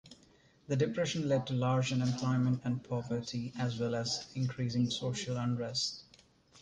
The depression lead to large unemployment and poverty, as well as increasing social unrest.